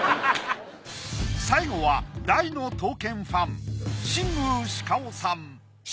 最後は大の刀剣ファンはい。